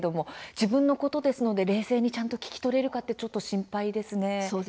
自分のことなんで冷静に聞き取れるか心配ですね。